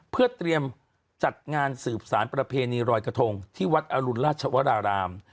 เพื่อเตรียมจัดงานสืบสารประเพณีรอยกระทงที่วัดอรุณราชวราราม